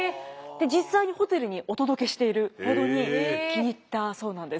実際にホテルにお届けしているほどに気に入ったそうなんです。